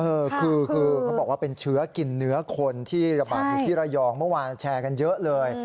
เออคือเค้าบอกว่าเป็นเฉือกินเนื้อคนที่รายองก์เมื่อวานแชร์กันเยอะเลย